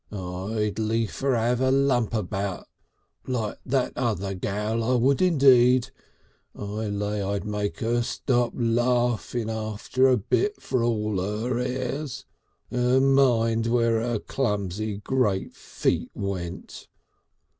"I'd liefer 'ave a lump about like that other gal. I would indeed. I lay I'd make 'er stop laughing after a bit for all 'er airs. And mind where her clumsy great feet went....